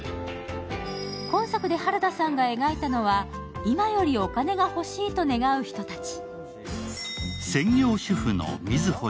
今作で原田さんが描いたのは、今よりもお金が欲しいと願う人たち。